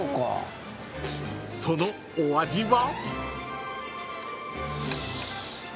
［そのお味は？］